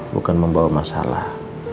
bukan membawa masalah